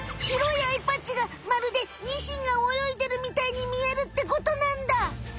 白いアイパッチがまるでニシンが泳いでるみたいに見えるってことなんだ。